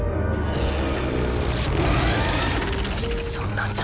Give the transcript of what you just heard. そんなんじゃ